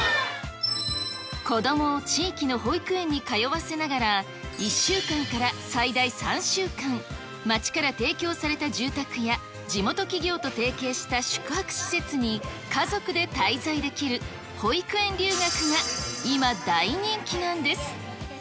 子どもを地域の保育園に通わせながら、１週間から最大３週間、町から提供された住宅や地元企業と提携した宿泊施設に家族で滞在できる保育園留学が、今大人気なんです。